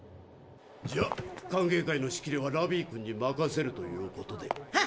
じゃ歓迎会の仕切りはラビィ君に任せるということで。